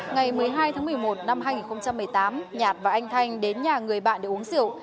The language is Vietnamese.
ngày một mươi hai tháng một mươi một năm hai nghìn một mươi tám nhạt và anh thanh đến nhà người bạn để uống rượu